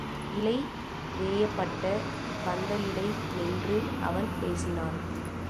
இலை வேயப்பட்ட பந்தலிடை நின்று அவன் பேசினான்.